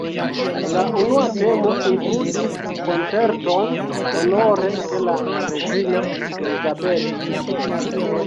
La unua temo inkludis koncerton honore de la reĝino "Elizabeth".